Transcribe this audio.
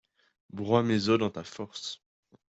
Broie mes os dans ta force.